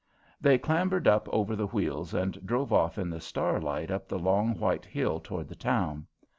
They clambered up over the wheels and drove off in the starlight up the long, white hill toward the town.